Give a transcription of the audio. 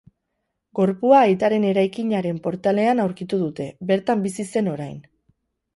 Gorpua aitaren eraikinaren portalean aurkitu dute, bertan bizi zen orain.